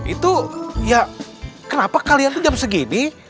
itu ya kenapa kalian itu jam segini